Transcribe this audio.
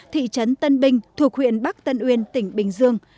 thị trấn tân bình thuộc huyện bắc tân uyên tỉnh bình dương